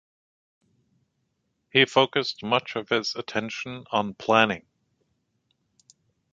He focused much of his attention on planning.